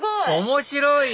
面白い！